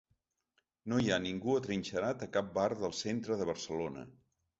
No hi ha ningú atrinxerat a cap bar del centre de Barcelona.